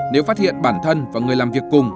nếu phát hiện bản thân và người làm việc cùng